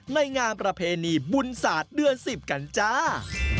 งานประเพณีบุญศาสตร์เดือน๑๐กันจ้า